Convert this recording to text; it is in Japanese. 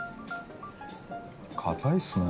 硬いっすね。